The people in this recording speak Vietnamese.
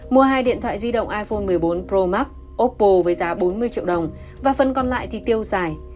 mua hai điện thoại di động iphone một mươi bốn pro max opple với giá bốn mươi triệu đồng và phần còn lại thì tiêu xài